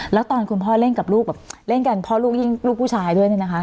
แล้วตอนคุณพ่อเล่นกับลูกเล่นกันเพราะลูกยิ่งลูกผู้ชายด้วยนะคะ